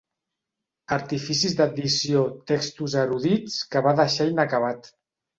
Artificis d'addició textos erudits que va deixar inacabat.